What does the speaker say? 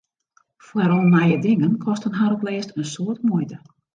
Foaral nije dingen kosten har op 't lêst in soad muoite.